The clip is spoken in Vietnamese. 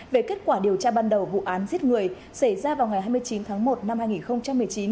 về kết quả điều tra ban đầu vụ án giết người xảy ra vào ngày hai mươi chín tháng một năm hai nghìn một mươi chín